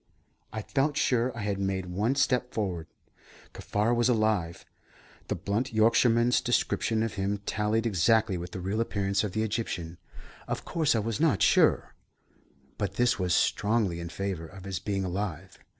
I felt sure I had made one step forward. Kaffar was alive. The blunt Yorkshireman's description of him tallied exactly with the real appearance of the Egyptian. Of course I was not sure, but this was strongly in favour of his being alive.